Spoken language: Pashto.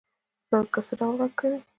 زرکه څه ډول غږ کوي؟